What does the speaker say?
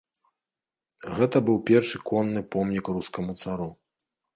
Гэта быў першы конны помнік рускаму цару.